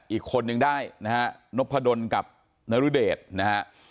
อีกคนนึงได้นะฮะนพดลกับนรุเดชนะฮะ